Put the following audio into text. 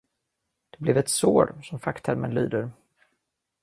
Där blev ett sår, som facktermen lyder.